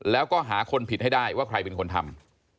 แล้วก็หาคนผิดให้ได้ว่าใครเป็นคนทำ